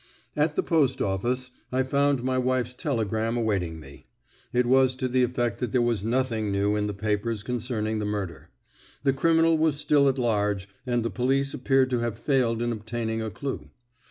At the post office I found my wife's telegram awaiting me. It was to the effect that there was nothing new in the papers concerning the murder. The criminal was still at large, and the police appeared to have failed in obtaining a clue.